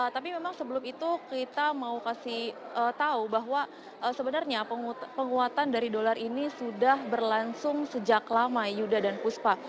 tapi memang sebelum itu kita mau kasih tahu bahwa sebenarnya penguatan dari dolar ini sudah berlangsung sejak lama yuda dan puspa